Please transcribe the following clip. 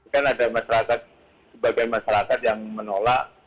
kan ada masyarakat sebagai masyarakat yang menolak